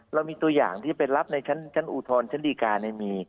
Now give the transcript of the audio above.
เรามีตัวอย่างที่ไปรับในชั้นอุทธรณ์ชั้นดีการมี